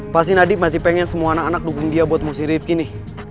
pasti nadib masih pengen semua anak anak dukung dia buat musuh rilif gini